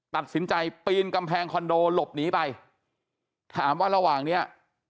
ตัดสินใจปีนกำแพงคอนโดหลบหนีไปถามว่าระหว่างเนี้ย